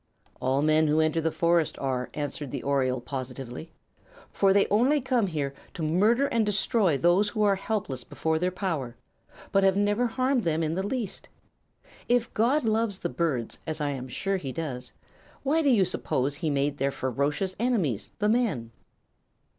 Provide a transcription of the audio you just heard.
"All men who enter the forest are," answered the oriole, positively. "For they only come here to murder and destroy those who are helpless before their power, but have never harmed them in the least. If God loves the birds, as I am sure He does, why do you suppose He made their ferocious enemies, the men?"